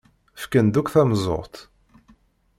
Fkan-d akk tameẓẓuɣt.